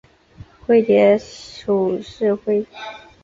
灰蝶属是灰蝶科灰蝶亚科灰蝶族中的一个属。